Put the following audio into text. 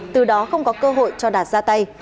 từ đó không có cơ hội cho đạt ra tay